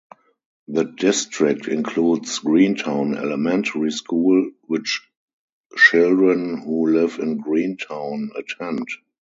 The district includes Greentown Elementary School, which children who live in Greentown attend.